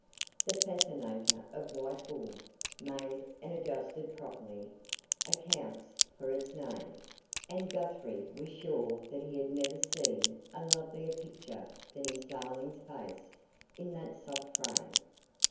The fascinator of white wool, made and adjusted properly, accounts for its name; and Guthrie was sure that he had never seen a lovelier picture than his darling's face in that soft frame.